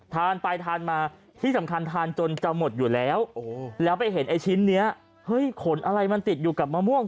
ทานไปทานมาที่สำคัญทานจนจะหมดอยู่แล้วแล้วไปเห็นไอ้ชิ้นนี้เฮ้ยขนอะไรมันติดอยู่กับมะม่วง